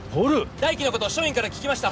大樹のこと署員から聞きました。